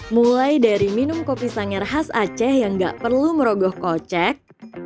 mulai dari minum kopi sangir khas aceh yang gak perlu merogoh kocek